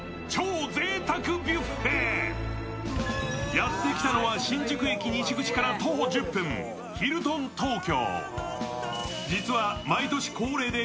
やってきたのは新宿駅西口から徒歩１０分、ヒルトン東京。